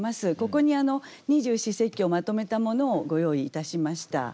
ここに二十四節気をまとめたものをご用意いたしました。